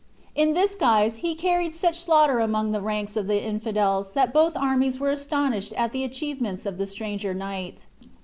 In this guise he carried such slaughter among the ranks of the infidels that both armies were astonished at the achievements of the stranger knight.